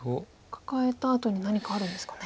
カカえたあとに何かあるんですかね。